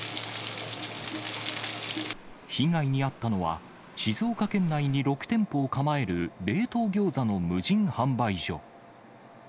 被害に遭ったのは、静岡県内に６店舗を構える冷凍ギョーザの無人販売所。